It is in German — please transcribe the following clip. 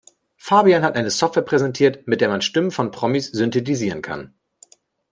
Fabian hat eine Software präsentiert, mit der man Stimmen von Promis synthetisieren kann.